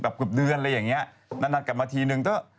มากกว่าเมื่อกี๊๑เดือนอะไรอย่างนี้งั้นกลับมาทีหนึ่ง